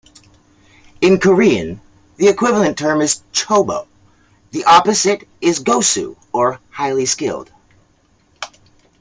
In Korean, the equivalent term is "Chobo"; the opposite is Gosu, or "highly skilled".